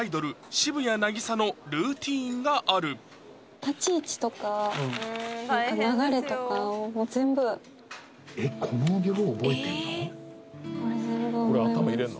渋谷凪咲のルーティーンがあるとかをもう全部えっこの量を覚えてんの？